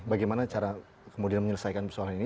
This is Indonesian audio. bagaimana cara kemudian menyelesaikan persoalan ini